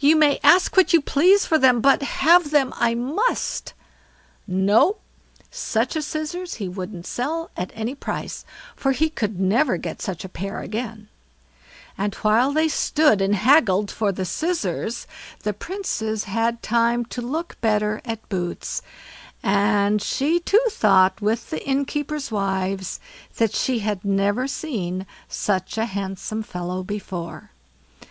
"You may ask what you please for them, but have them I must." No! Such a pair of scissors he wouldn't sell at any price, for he could never get such a pair again; and while they stood and haggled for the scissors, the Princess had time to look better at Boots, and she too thought with the innkeepers' wives that she had never seen such a handsome fellow before.